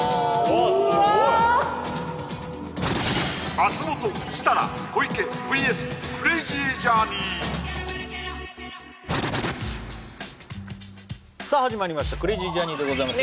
松本設楽小池ＶＳクレイジージャーニーさあ始まりましたクレイジージャーニーでございます